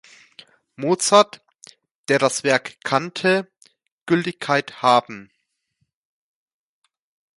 Mozart, der das Werk kannte, Gültigkeit haben.